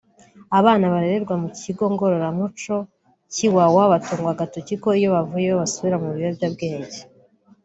Abana barererwa mu kigo ngorora muco cy’i Wawa batungwa agatoki ko iyo bavuyeyo basubira mu biyobyabwenge